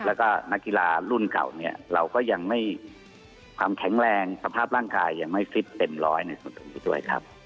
แล้วก็นักกีฬารุ่นเก่าเราก็ยังไม่ความแข็งแรงสภาพร่างกายยังไม่ฟิตเต็มร้อย